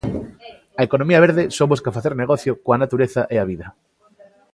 A economía verde só buscar facer negocio coa natureza e a vida.